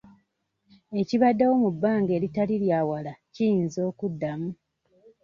Ekibaddewo mu bbanga eritali lya wala kiyinza okuddamu.